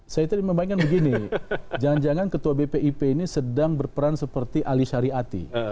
saya tadi memainkan begini jangan jangan ketua bpip ini sedang berperan seperti alisari ati